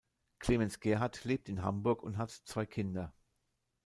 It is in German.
Clemens Gerhard lebt in Hamburg und hat zwei Kinder.